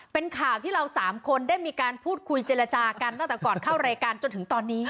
เป็นข่าวที่เราสามคนได้มีการพูดคุยเจรจากันตั้งแต่ก่อนเข้ารายการจนถึงตอนนี้